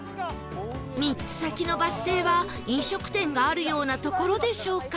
３つ先のバス停は飲食店があるような所でしょうか？